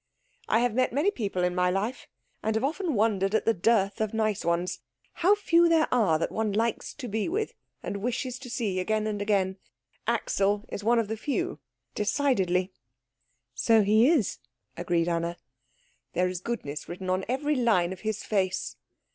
"I have met many people in my life, and have often wondered at the dearth of nice ones how few there are that one likes to be with and wishes to see again and again. Axel is one of the few, decidedly." "So he is," agreed Anna. "There is goodness written on every line of his face."